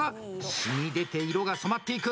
しみ出て色が染まっていく。